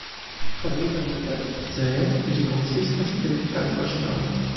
Formita dum Kretaceo, ĝi konsistas el kalkoŝtono.